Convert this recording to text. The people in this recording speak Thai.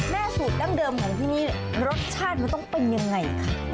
สูตรดั้งเดิมของที่นี่รสชาติมันต้องเป็นยังไงคะ